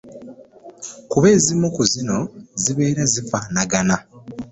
Kuba ezimu ku zino zibeera zifaanagana.